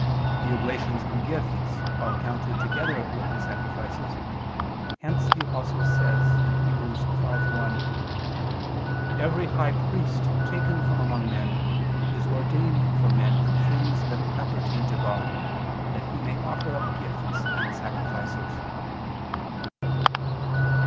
The oblations and gifts are counted together with the sacrifices; hence the Apostle says (Heb. 5:1): "Every high priest taken from among men, is ordained for men in things that appertain to God, that he may offer up gifts and sacrifices."